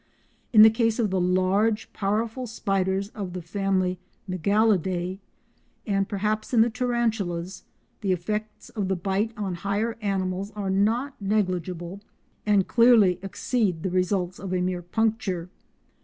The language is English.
In the case of the large, powerful spiders of the family Mygalidae, and perhaps in the tarantulas the effects of the bite on higher animals are not negligible, and clearly exceed the results of a mere puncture.